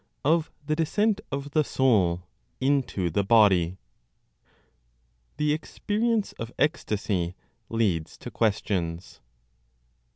Of the Descent of the Soul Into the Body. THE EXPERIENCE OF ECSTASY LEADS TO QUESTIONS.